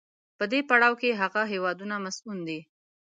په دې پړاو کې هغه هېوادونه مصون دي.